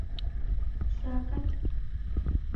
Xa cách